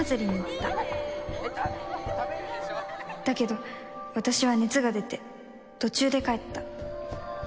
「だけど私は熱がでてとちゅーで帰った」